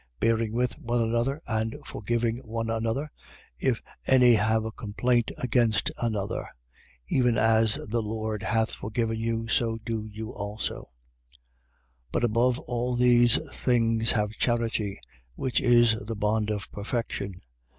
Bearing with one another and forgiving one another, if any have a complaint against another. Even as the Lord hath forgiven you, so do you also. 3:14. But above all these things have charity, which is the bond of perfection.